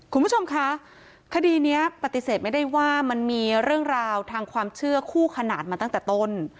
คุณผู้ชมคะคดีนี้ปฏิเสธไม่ได้ว่ามันมีเรื่องราวทางความเชื่อคู่ขนาดมาตั้งแต่ต้น